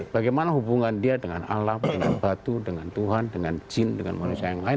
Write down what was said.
bagaimana hubungan dia dengan alam dengan batu dengan tuhan dengan jin dengan manusia yang lain